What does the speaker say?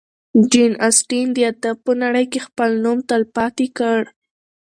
جین اسټن د ادب په نړۍ کې خپل نوم تلپاتې کړ.